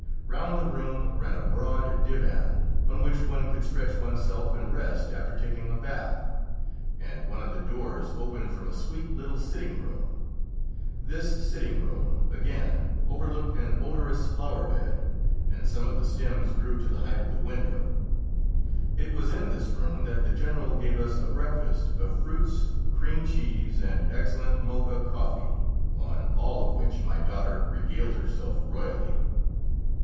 Round the room ran a broad divan on which one could stretch oneself and rest after taking a bath, and one of the doors opened from a sweet little sitting room. This sitting room, again, overlooked an odorous flower bed, and some of the stems grew to the height of the window. It was in this room that the General gave us a breakfast of fruits, cream cheese and excellent Mocha coffee, on all of which my daughter regaled herself royally.